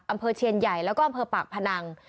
อำเภอเชียนใหญ่แล้วก็อำเภอปากพนัง